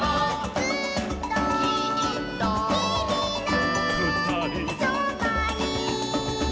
「ずっと」「きっと」「きみの」「ふたり」「そばに」